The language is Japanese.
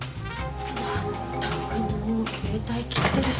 全くもう携帯切ってるし。